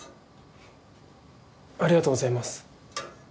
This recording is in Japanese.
ありがとうございます。